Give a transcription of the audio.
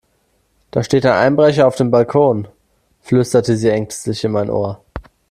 Da steht ein Einbrecher auf dem Balkon, flüsterte sie ängstlich in mein Ohr.